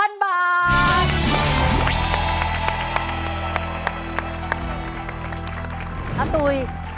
นับตุ๋ย